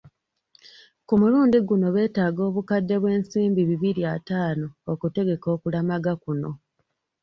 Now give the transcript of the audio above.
Ku mulundi guno beetaaga obukadde bw’ensimbi bibiri ataano okutegeka okulamaga kuno.